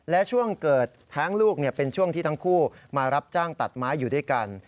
และช่วงเกิดแท้งลูกเป็นช่วงที่ทั้งคู่มารับจ้างตัดไม้อยู่ด้วยกัน